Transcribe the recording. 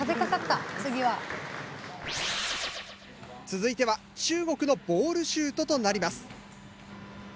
続いては中国のボールシュートとなります。